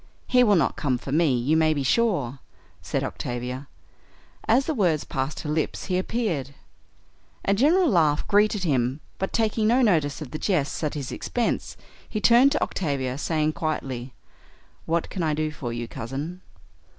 "He will not come for me, you may be sure," said Octavia. As the words passed her lips he appeared. A general laugh greeted him, but, taking no notice of the jests at his expense, he turned to Octavia, saying quietly, "What can I do for you, Cousin?"